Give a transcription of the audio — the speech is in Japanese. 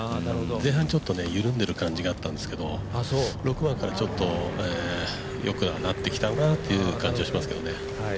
前半ちょっと緩んでる感じがあったんですけど、６番からよくはなってきたのかなという感じはしますね。